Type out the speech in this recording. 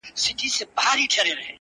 پر وظیفه عسکر ولاړ دی تلاوت کوي;